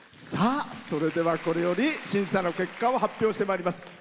それでは、これより審査の結果を発表してまいります。